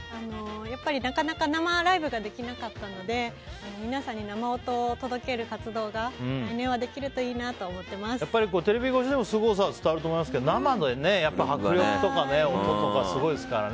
なかなか生ライブができなかったので皆さんに生音を届ける活動が来年はテレビ越しでもすごさは伝わると思いますが生の迫力とか音とかすごいですからね。